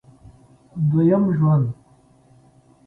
دوه یم ژوند